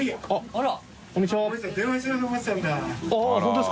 あら。